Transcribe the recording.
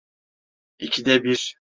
İkide bir.